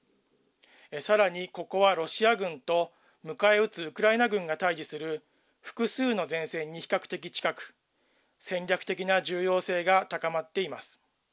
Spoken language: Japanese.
さらに、ここはロシア軍と迎え撃つウクライナ軍が対じする複数の前線に比較的近く、戦略的な重要性が高まっています。